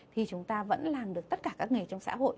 thì chúng ta vẫn làm được tất cả các nghề trong xã hội